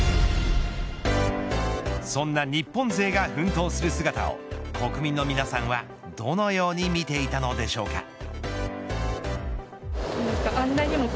そんな日本勢が奮闘する姿を国民の皆さんはどのように見ていたのでしょうか。